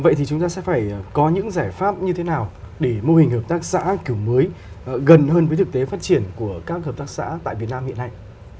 vậy thì chúng ta sẽ phải có những giải pháp như thế nào để mô hình hợp tác xã kiểu mới gần hơn với thực tế phát triển của các hợp tác xã tại việt nam hiện nay